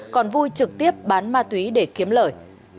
còn vui trực tiếp bán ma túy để kiếm lời